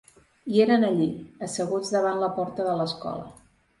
I eren allí, asseguts davant la porta de l’escola.